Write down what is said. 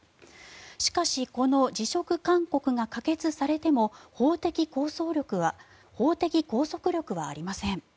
しかし、この辞職勧告が可決されても法的拘束力はありません。